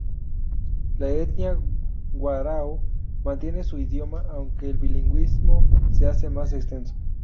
La etnia warao mantiene su idioma, aunque el bilingüismo se hace más extenso.